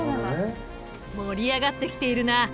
盛り上がってきているな。